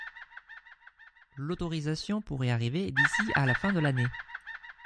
L'autorisation pourrait arriver d'ici à la fin de l'année.